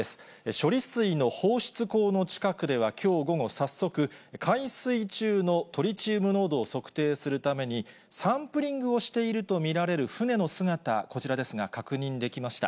処理水の放出口の近くではきょう午後、早速海水中のトリチウム濃度を測定するために、サンプリングをしていると見られる船の姿、こちらですが、確認できました。